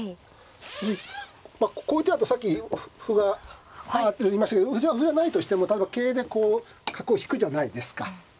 まあこういう手だとさっき歩がいましたけど歩じゃないとしても桂でこう角を引くじゃないですか。